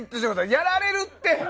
やられるって！